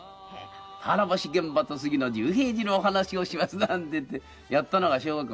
「俵星玄蕃と杉野十平次のお話をします」なんて言ってやったのが小学校